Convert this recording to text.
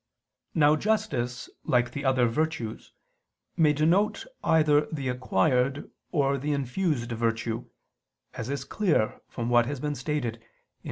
Now justice, like the other virtues, may denote either the acquired or the infused virtue, as is clear from what has been stated (Q.